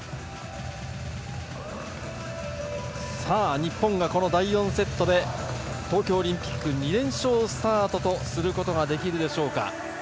日本がこの第４セットで東京オリンピック２連勝スタートとすることができるでしょうか。